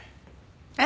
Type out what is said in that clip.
えっ？